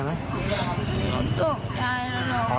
สงใจแล้วน้องหน้า